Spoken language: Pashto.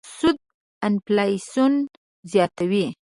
سود انفلاسیون زیاتوي.